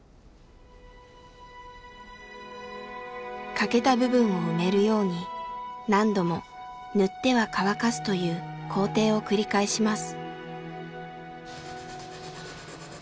欠けた部分を埋めるように何度も塗っては乾かすという工程を繰り返します。